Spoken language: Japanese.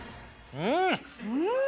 うん！